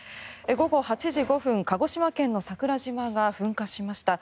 午後８時５分、鹿児島県の桜島が噴火しました。